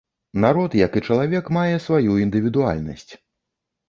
Народ, як і чалавек, мае сваю індывідуальнасць.